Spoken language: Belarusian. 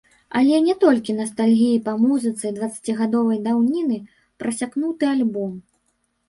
Але не толькі настальгіяй па музыцы дваццацігадовай даўніны прасякнуты альбом.